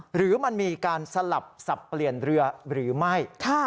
หรือมันมีการสลับสับเปลี่ยนเรือหรือไม่